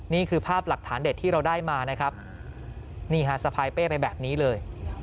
นี่คือภาพหลักฐานเด็ดที่เราได้มานะครับนี่ฮะสะพายเป้ไปแบบนี้เลย